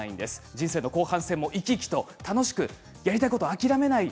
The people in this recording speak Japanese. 人生の後半戦も生き生きと楽しくやりたいことを諦めない。